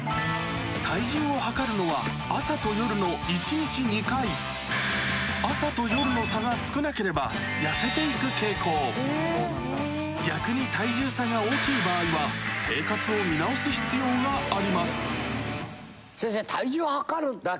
体重を量るのは朝と夜の一日２回朝と夜の差が少なければ逆に体重差が大きい場合は生活を見直す必要があります先生。